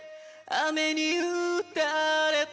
「雨に打たれて」